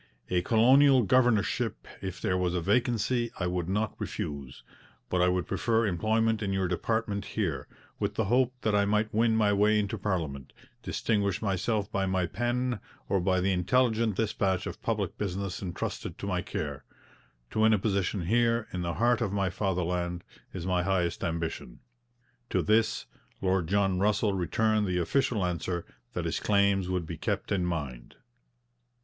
'A colonial governorship, if there was a vacancy, I would not refuse, but I would prefer employment in your department here, with the hope that I might win my way into parliament, distinguish myself by my pen, or by the intelligent dispatch of public business entrusted to my care. ... To win a position here, in the heart of my fatherland, is my highest ambition.' To this Lord John Russell returned the official answer that his claims would be kept in mind.